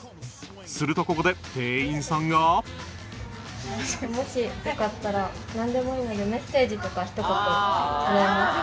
するとここで店員さんがなんでもいいのでメッセージとかひと言もらえますか？